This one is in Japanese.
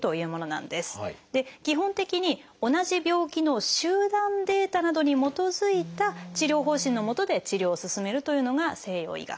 基本的に同じ病気の集団データなどに基づいた治療方針のもとで治療を進めるというのが西洋医学です。